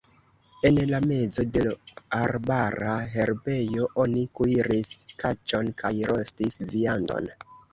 En la mezo de l' arbara herbejo oni kuiris kaĉon kaj rostis viandon.